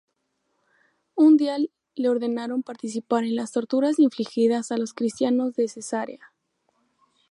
Un día le ordenaron participar en las torturas infligidas a los cristianos de Cesarea.